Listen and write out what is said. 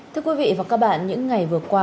thưa quý vị và các bạn những ngày vừa qua